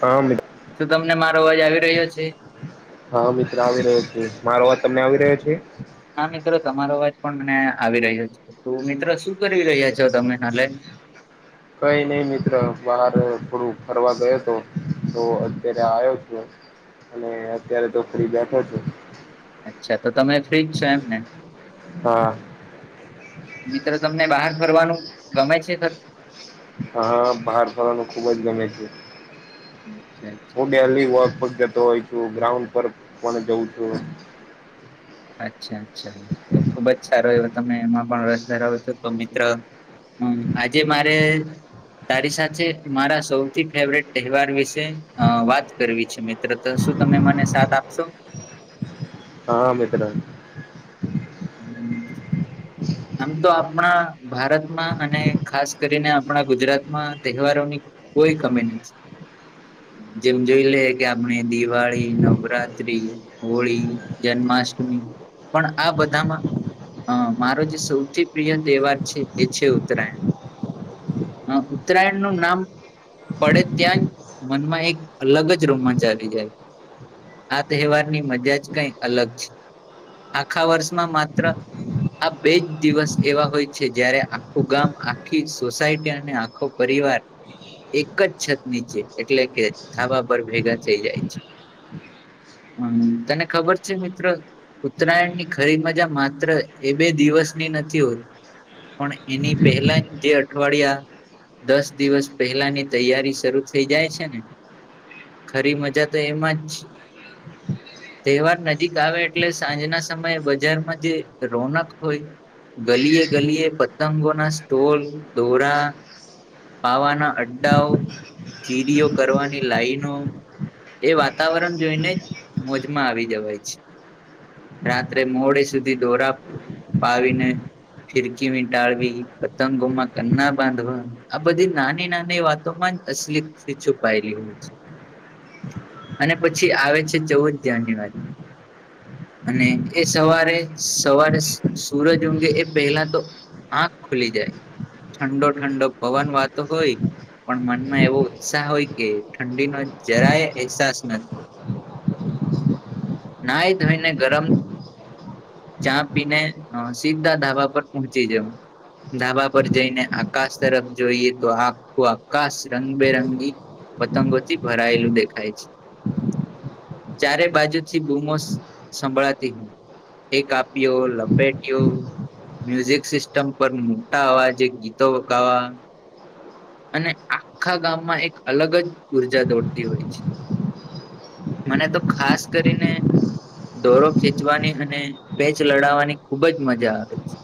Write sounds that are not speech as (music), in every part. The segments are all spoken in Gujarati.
હ મિત શું તમને મારો અવાજ આવી રહ્યો છે? હ મિત્ર આવી રહ્યો છે. મારો અવાજ તમને આવી રહ્યો છે? હા મિત્રો તમારો અવાજ પણ મને આવી રહ્યો તો મિત્ર શું કરી રહ્યા છો તમે હાલે? કઈ નહીં મિત્ર બહાર થોડું ફરવા ગયો તો અત્યારે આયો છું. અને અત્યારે તો ફ્રી બેઠો છું. અચ્છા તો તમે ફ્રી જ છો એમ ને, હા મિત્રો તમને બહાર ફરવાનું ગમે છે ખ હા બહાર ફરવાનું ખુબ જ છે. (unintelligible) હું ડેલી વોક પર જતો હોય છું ગ્રાઉન્ડ પર પણ જઉં છું. અચ્છા અચ્છા તો ખુબ જ સારો એવ તમે એમાં પણ રસ ધરાવો છો તો મિત્ર. હમ આજે મારે. તારી સાથે મારા સૌથી ફેવરીટ તહેવાર વિશે અ વાત કરવી છે. મિત, ત્રતા શું તમે મને સાથ આપશો? હા મિત્ર. હમ, આમ તો આપણા ભારતમાં અને ખાસ કરીને આપણા ગુજરાતમાં તહેવારોની કોઈ કમી નથી. જેમ જોઈ લે કે આપણે દિવાળી, નવરાત્રી, હોળી, જન્માષ્ટમી પણ આ બધામાં અ મારો જે સૌથી પ્રિય તહેવાર છે એ છે ઉત્તરાયણ. હ ઉત્તરાયણનું નામ. પડે ત્યાં જ મનમાં એક અલગ જ રોમાંચ આવી જાય. આ તહેવાર ની મજા જ કંઈક અલગ છે આખા વર્ષમાં માત્ર આ બે જ દિવસ એવા હોય છે જયારે આખું ગામ આખી સોસાયટી અને આખો પરિવાર. એક જ છત નીચે એટલે કે ઢાબા પર ભેગા થઈ જાય છે. હમ તને ખબર છે મિત્ર! ઉત્તરાયણની ખરી મજા માત્ર એ બે દિવસની નથી હોતી. પણ એની પહેલા જ તે અઠવાડિયા. દસ દિવસ પહેલાની તૈયારી શરૂુ થઈ જાય છે ને! ખરી મજા તો એમાં જ છે. તહેવાર નજીક આવે એટલે સાંજના સમયે બજારમાં જે રોનક હોઈ ગલીએ-ગલીએ પતંગો ના સ્ટોલ દોરા પાવાના અડ્ડાઓ, જીડીયો કરવાની લાઈનો, એ વાતાવરણ જોઈને મોજમાં આવી જવાય છે. રાત્રે મોડે સુધી દોરા, પાવીને. ફિરકી વીંટાળવી, પતંગોમાં કના બાંધવી, આ બધી નાની નાની વાતોમાં અશલી ખુશી છુપાયેલી હોય છે. અને પછી આવે છે ચૌદ જાન્યુઆરી. અને એ સવારે જ સવારે. સૂરજ ઊગે એ પહેલા તો આંખ ખુલી જાય. ઠંડો ઠંડો પવન વાતો હોય. પણ મનમાં એવો ઉત્સાહ હોય કે ઠંડીનો જરાય અહેસાસ નથી. (inaudible) ના ધોઈને ગરમ ચા પીને, હ સીધા ધાબા પર પહોંચી જવું. ધાબા પર જઈને આકાશ તરફ જોઈએ તો આખું આકાશ રંગબેરંગી પતંગોથી ભરાયેલું દેખાય છે. ચારે બાજુથી બૂમો સંભળાતી એક કાપીયો બોલો. મ્યુઝિક સિસ્ટમ પર મોટા અવાજે ગીતો ગાવા. અને આખા ગામમાં એક અલગ જ ઊર્જા દોડતી હોય છે. મને તો ખાસ કરીને, દોરો ખેચવાની અને પેચ લડાવવાની ખૂબ જ મજા આવે છે.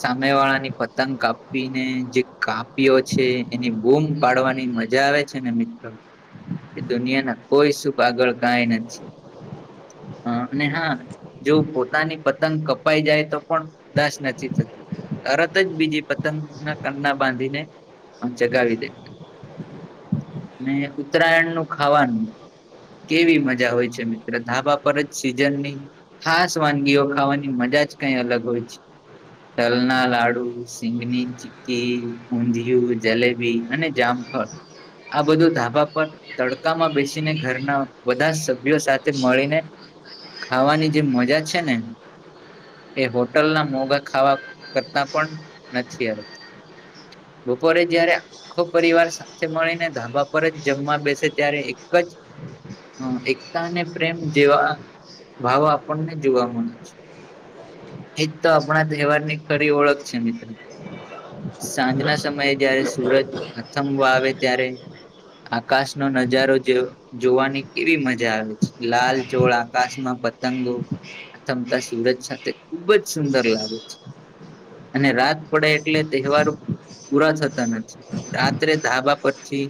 સામે વાળા ની પતંગ કાપીને જે કાપી્યો છે એની બૂમ પાડવાની મજા આવે છે. અને મિત્રો એ દુનિયાના કોઈ સુખ આગળ કાંઈ નથી. હ અને હા જો પોતાની પતંગ કપ, કપાઈ જાય તો પણ ઉદાસ નથી થતુ. તરત જ બીજી પતંગના કંના બાંધીને આમ ચગાવી દે, અને ઉત્તરાયણ નું ખાવાનું. કેવી મજા હોય છે, મિત્ર ધાબા પર જ સીઝનની, ખાસ વાનગીઓ ખાવાની. મજા જ કઈ અલગ હોય છે, તલ ના લાડુ, સિંગની ચીકી, ચીકી, ઊધિયું, જલેબી, અને જામફળ આ બધું ધાબા પર, તડકામાં બેસીને ઘરના બધા સભ્યો સાથે મળીને, ખાવાની જે મજા છે ને, એ હોટલના મોંઘા ખાવા કરતા પણ નથી. બપોરે જયારે, આખો પરિવાર સાથે મળીને ધાબા પર જ જમવા બેસે ત્યારે એક જ, હ એકતા અને પ્રેમ જેવા, ભાવો આપણને જોવા મળે છે. એજ તો આપણા તહેવાર ની ખરી ઓળખ છે. મિત્ર, સાંજના સમયે જયારે સુરજ આથમવા આવે ત્યારે, આકાશ નો નજારો જોવાની કેવી મજા આવે છે. લાલ ચોળ આકાશમાં પતંગો, આથમતા સુરજ સાથે, ખુબ જ સુંદર લાગે છે. અને રાત પડે એટલે તહેવારો, પૂરા થતા નથી. રાત્રે ધાબા પરથી,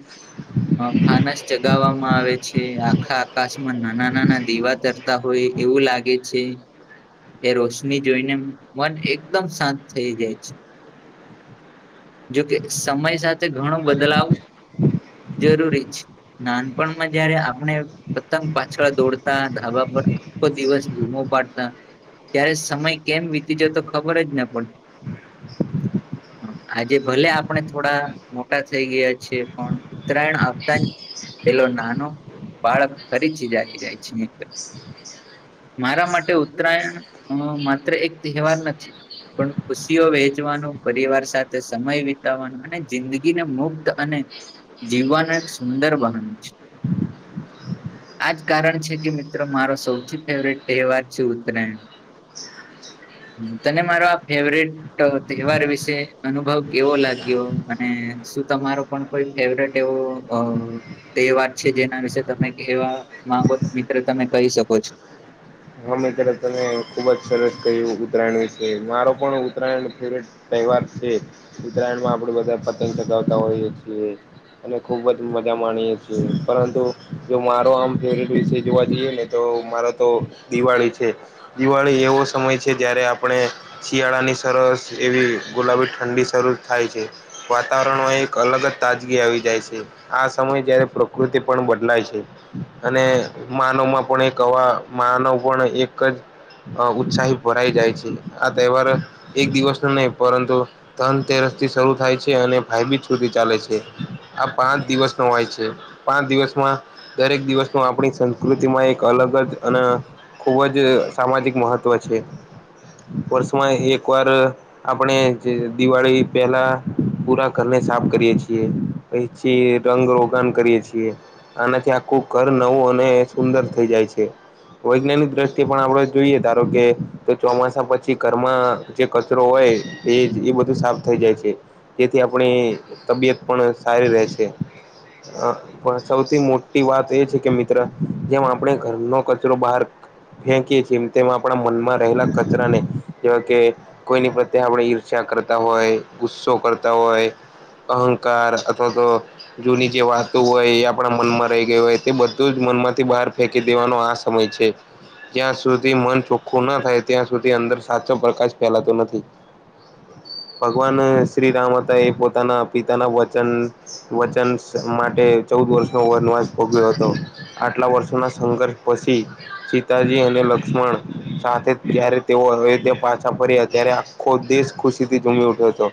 ફાનસ ચગાવવામાં આવે છે. આખા આકાશમાં નાના નાના દીવા તર, તરતા હોય એવું લાગે છે. એ રોષ, ની જોઈને મન એકદમ શાંત થઈ જાય છે. જોકે સમય સાથે ઘણો બદલાવ જરૂરી છે. નાનપણમાં જયારે આપણે પતંગ પાછળ દોડતા ધાબા પર, આખો દિવસ બૂમો પાડતા ત્યારે, સમય કેમ વીતી જતો ખબર જ ન પડતી, આજે ભલે આપણે થોડા મોટા થઈ ગયા છે. પણ ઉત્તરાયણ આવતા જ પેલો નાનો બાળક ફરીથી જાગી જાય છે. મારા માટે ઉત્તરાયણ માત્ર એક તહેવાર નથી પણ ખુશીઓ વહેચવાનું પરિવાર સાથે સમય વિતાવવાનું અને જિંદગીને મુગ્ધ અને, જીવવાનું એક સુંદર છે. આજ કારણ છે. કે મિત્રો મારો સૌથી ફેવરેટ તહેવાર છે ઉત્તરાયણ, તને મારો આ ફેવરેટ, તહેવાર વિશે અનુભવ કેવો લાગ્યો? અને શું તમારો, કોઈ ફેવરેટ એવું અ, તે વાત છે જેના વિશે તમે એવા માંગો તો, મિત્ર તમે કહી શકો છો. હા મેં ત્યારે તને ખુબ જ સરસ કહ્યું. ઉત્તરાયણ વિશે મારો પણ ઉત્તરાયણ ફેવરેટ, તહેવાર છે. ઉત્તરાયણમાં આપડે બધા પતંગ ચગાવતા હોઈ છીએ. અને ખુબ જ મજા માણીએે છીએ, પરંતુ જો મારો આમ ફેવરેટ વિષય જોવા જઈએ ને, તો મારો તો દિવાળી છે. દિવાળી એવો સમય છે, જ્યારે આપણે, શિયાળાની સરસ એવી ગુલાબી ઠંડી શરૂ થાય છે. વાતાવરણમાં એક અલગ જ તાજગી આવી જાય છે. આ સમયે જયારે પ્રકૃતિ પણ બદલાય છે. અને માનવમાં પણ એક હવા માનવ પણ એક જ, અ ઉત્સાહી ભરાઈ જાય છે. આ તહેવાર એક દિવસ ન નહી પરંતુ, ધનતેરસ થી શરૂ થાય છે અને ભાઈબીજ સુધી ચાલે છે. આ પાંચ દિવસનો હોય છે. પાંચ દિવસમાં દરેક દિવસ નું આપણી સંસ્કૃતિમાં એક અલગ જ અને ખૂબજ સામાજિક મહત્ત્વ છે વર્ષમાં એક વાર આપણે દિવાળી પેલા પુરા ઘરને સાફ કરીએ છીએ. પછી રંગ રોકાણ કરીય છીએ. આનાથી આખું ઘર નવું અને સુંદર થઈ જાય છે, વૈજ્ઞાનિક તે પણ આપડે જોઈએ ધારો કે તો ચોમાસા પછી ઘરમાં જે કચરો હોય એજ, એ બધું સાફ થઈ જાય છે, જેથી આપણી તબિયત પણ સારી રહે છે. અહ પણ સૌથી મોટી વાત એ છે કે મિત્ર જેમ આપણે ઘરનો કચરો બહાર ફેંકીએ જેમ તેમ આપણા મનમાં રહેલા કચરા ને જેવા કે કોઈની પ્રત્યે આપડે ઈર્ષા કરતા હોય, ગુસ્સો કરતા હોય, અહંકાર અથવા તો જૂની જે વાતો હોય એ આપડા મનમાં રહી ગઈ હોય તે બધુંજ મન માંથી બહાર ફેંકી દેવાનો આ સમય છે. જ્યાં સુધી મન ચોખ્ખું ના થાય, ત્યાં સુધી અંદર સાચો પ્રકાશ ફેલાતો નથી. ભગવાન શ્રીરામ હતા એ પોતાના પિતાના વચન વચન માટે ચૌદ વર્ષનો વનવાસ ભોગવ્યો હતો. આટલા વર્ષોના સંઘર્ષ પછી સીતાજી અને લક્ષ્મણ સાથે જ્યારે તેઓ હવે તે પાછા ફર્યા ત્યારે આખો દેશ ખુશીથી જૂમી ઉઠ્યો તો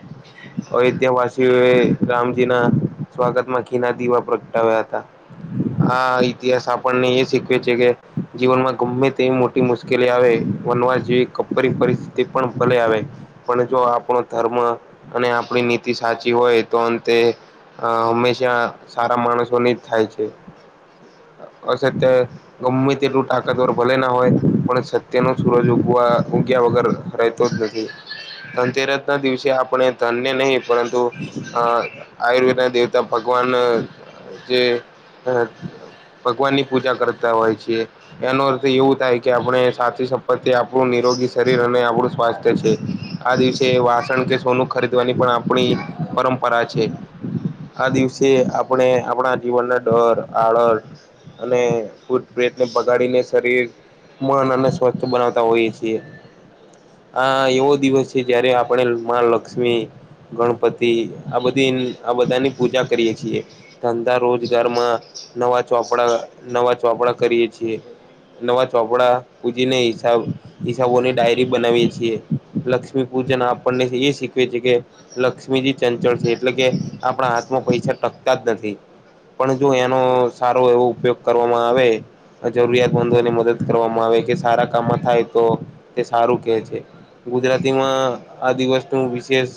અયોધ્યાવાસીઓએ રામજી ના સ્વાગતમાં ઘીના દીવા પ્રગટાવ્યા હતા. આ ઇતિહાસ આપણને એ શીખવે છે કે જીવનમાં ગમે તેવી મોટી મુશ્કેલી આવે, વનવાસજેવી કપરી પરિસ્થિતિ પણ ભલે આવે પણ જો આપણો ધર્મ અને આપણી નીતિ સાચી હોય તો અંતે અહ હંમેશા સારા માણસોની જ થાય છે. (inaudible) (unintelligible) ગમે તેટલું તાકાતવર ભલે ના હોય પણ સત્યનું સૂરજ ઉગવા ઊગ્યા વગર રહેતો જ નથી. ધનતેરસના દિવસે આપડે ધન્ય નહી પરંતુ અહ આયુર્વેદના દેવતા ભગવાન જે ભગવાનની પૂજા કરતા હોય છે. એનો અર્થ એવું થાય કે આપણે સાચી સંપત્તિ આપણું નિરોગી શરીર અને આપણું સ્વાસ્થ્ય છે. આ દિવસે વાસણ કે સોનું ખરીદવાની પણ આપણી પરંપરા છે. આ દિવસે આપણે આપણા જીવનના ડર આડસ અને ભૂત પ્રેત ને ભગાડીને શરીર મન અને સ્વસ્થ બનાવતા હોઈએ છીએ. આ એવો દિવસ છે જયારે આપણે માં લક્ષ્મી ગણપતિ આ બધી, આ બધાની પૂજા કરીયે છીએ. ધંધા રોજગારમાં નવા ચોપડા, નવા ચોપડા કરીએ છીએ. નવા ચોપડા પૂજીને હિસાબ હિસાબોની ડાયરી બનાવીએ છીએ, લક્ષ્મી પૂજન આપણને એ શીખવે છે કે લક્ષ્મીજી ચંચળ છે એટલે કે આપણા હાથમાં પૈસા ટકતા જ નથી. પણ જો એનો સારો એવો ઉપયોગ કરવામાં આવે જરૂરિયાત મંદોને મદદ કરવામાં આવે કે સારા કામમાં થાય તો તે સારું કે છે. ગુજરાતીમાં આ દિવસનું વિશેષ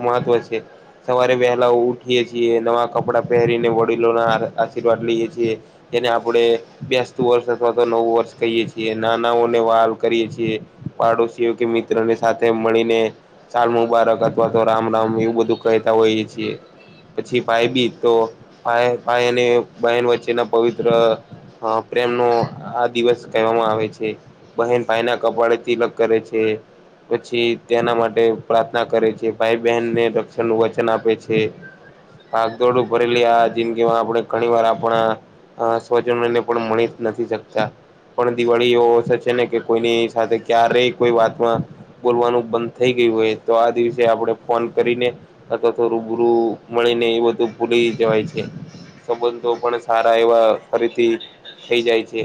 મહત્વ છે. સવારે વહેલા ઉઠીએ છીએ, નવા કપડાં પહેરીને વડીલોના આશીર્વાદ લઈએ છીએ. એને આપણે બેસ્તું વર્ષ અથવા તો નવું વર્ષ કહીએ છીએ નાનાઓને વાલ કરીએ છીએ. પાડોશીઓ કે મિત્ર ની સાથે મળીને સાલ મુબારક અથવા તો રામ રામ એવું બધું કહેતા હોઈએ છીએ. પછી ભાઈ બીજ તો ભાઈ અને બહેન વચ્ચેના પવિત્ર પ્રેમનો આ દિવસ કહેવામાં આવે છે બહેન ભાઈ ના કપાડે તિલક કરે છે. પછી તેના માટે પ્રાર્થના કરે છે ભાઈ બહેનને રક્ષણ નું વચન આપે છે. ભાગદોડ ભરેલી આ જિંદગીમાં આપડે ઘણી વાર આપણા સ્વજનોને પણ મળી જ નથી શકતા. પણ દિવાળી એ છે ને કે કોઈની સાથે ક્યારે રહી કોઈ વાતમાં બોલવાનું બંધ ગયું હોય તો આ દિવસે ફોન કરીને અથવા તો રૂબરૂું મળી ને એ બધું ભૂલી જવાય છે. સંબંધો પણ સારા એવા ફરીથી થઈ જાય છે.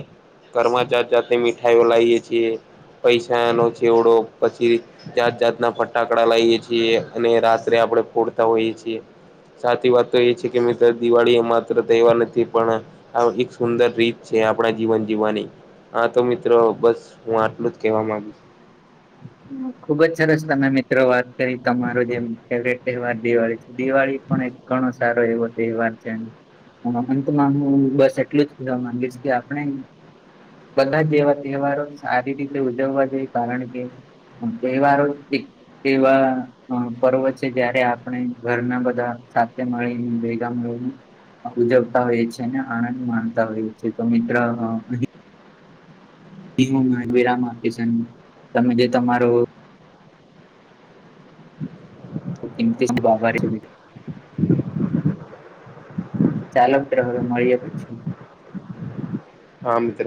ઘરમાં જાત જાતે મીઠાઈઓ લાવએ છીએ (unintelligible) નો ચેવડો પછી જાત જાતના ફટાકડા લઈએ છીએ અને રાત્રે આપણે ફોડતા હોઈએ છીએ. સાચી વાત તો એ છે કે મિત્ર દિવાળી એ માત્ર તહેવાર નથી પણ આ એક સુંદર રીત છે આપણા જીવન જીવવાની આ તો મિત્રો બસ હું આટલું જ કેહેવા માંગુ છું. ખુબજ સરસ તમે મિત્રો વાત કરી તમાર જે ફેવરેટ તહેવાર દિવાળી છે દિવાળી પણ એક ઘણો સારો એવો તહેવાર છે. હા એમ તો હું બસ એટલું જવા માંગીશ કે આપણે બધા જેવા તહેવારો સારી રીતે ઉજવવા જોઈ કારણ કે તહેવારો છે તેવા પર્વ છે જ્યારે આપણે ઘરના બધા સાથે મળીને ભેગા મળ ઉજવતા હોયએ છે અને આનંદ માળતા હોયએ છે તો મિત્ર અ (unintelligible) તમે જે તમારો (unintelligible) ચાલો તો હવે મળીએ પછી હા મિત્ર